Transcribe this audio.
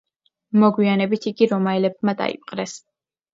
მოგვიანებით იგი რომაელებმა დაიპყრეს.